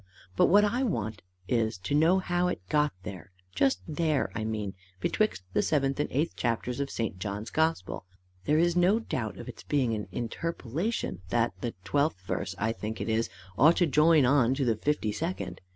But what I want is, to know how it got there, just there, I mean, betwixt the seventh and eighth chapters of St. John's Gospel. There is no doubt of its being an interpolation that the twelfth verse, I think it is, ought to join on to the fifty second.